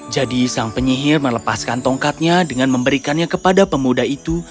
jadi sang penyihir melepaskan tongkatnya dengan memberikannya kepada pemuda itu